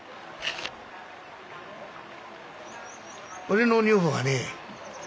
俺の女房がね